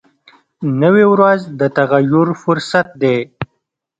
نوې ورځ د تغیر فرصت دی